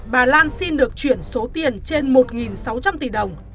bà lan xin được chuyển số tiền trên một sáu trăm linh tỷ đồng